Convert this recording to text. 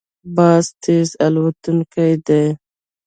باز تېز الوتونکی دی